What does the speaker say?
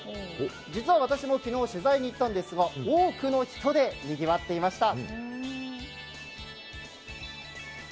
実は私も昨日、取材に行ったんですが多くの人でにぎわっていました。